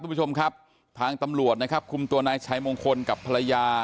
คุณผู้ชมครับทางตำรวจนะครับคุมตัวนายชัยมงคลกับภรรยา